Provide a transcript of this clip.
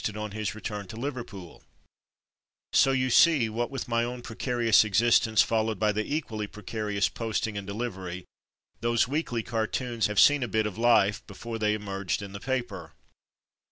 Supplying '' Copy M 201 it on his return to Liverpool; so you see, what with my own precarious existence, followed by the equally precarious posting and delivery, those weekly cartoons have seen a bit of life before they emerged in the paper.